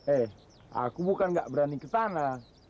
eh aku bukan gak berani kesana